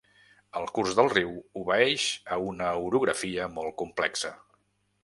El curs del riu obeeix a una orografia molt complexa.